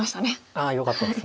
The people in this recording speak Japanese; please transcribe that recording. あよかったです